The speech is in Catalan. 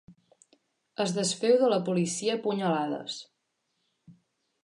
Es desfeu del policia a punyalades.